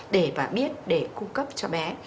để bà biết để cung cấp cho bé